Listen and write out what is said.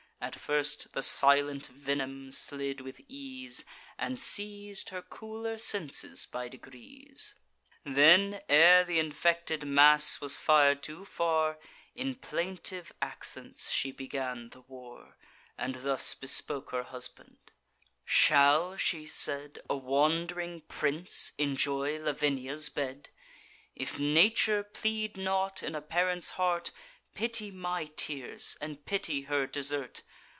At first the silent venom slid with ease, And seiz'd her cooler senses by degrees; Then, ere th' infected mass was fir'd too far, In plaintive accents she began the war, And thus bespoke her husband: "Shall," she said, "A wand'ring prince enjoy Lavinia's bed? If nature plead not in a parent's heart, Pity my tears, and pity her desert.